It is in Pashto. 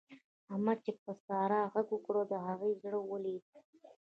احمد چې پر سارا غږ وکړ؛ د هغې زړه ولوېد.